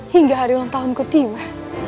hingga hari ulang tahunku tiba